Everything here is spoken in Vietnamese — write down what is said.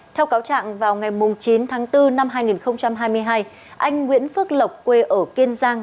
theo cáo trạng vào ngày chín tháng bốn năm hai nghìn hai mươi hai anh nguyễn phước lộc quê ở kiên giang